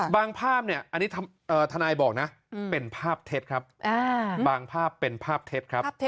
ภาพเนี่ยอันนี้ทนายบอกนะเป็นภาพเท็จครับบางภาพเป็นภาพเท็จครับ